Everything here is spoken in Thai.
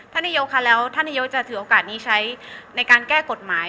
นายกค่ะแล้วท่านนายกจะถือโอกาสนี้ใช้ในการแก้กฎหมาย